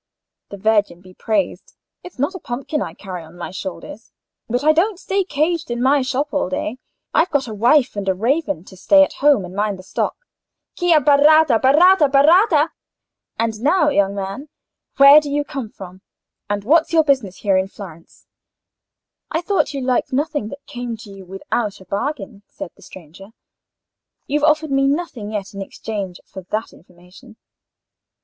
The Virgin be praised! it's not a pumpkin I carry on my shoulders. But I don't stay caged in my shop all day: I've got a wife and a raven to stay at home and mind the stock. Chi abbaratta—baratta—b'ratta? ... And now, young man, where do you come from, and what's your business in Florence?" "I thought you liked nothing that came to you without a bargain," said the stranger. "You've offered me nothing yet in exchange for that information."